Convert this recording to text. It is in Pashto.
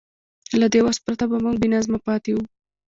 له دې وس پرته به موږ بېنظمه پاتې وو.